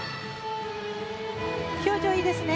表情がいいですね。